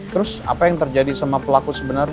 terus apa yang terjadi sama pelaku sebenarnya